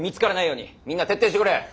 みんな徹底してくれ！